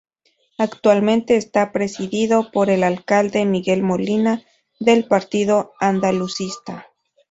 Actualmente está presidido por el alcalde Miguel Molina, del Partido Andalucista.